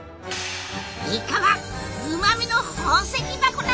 イカはうまみの宝石箱なんや！